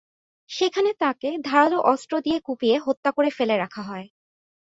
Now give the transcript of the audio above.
সেখানে তাঁকে ধারালো অস্ত্র দিয়ে কুপিয়ে হত্যা করে ফেলে রাখা হয়।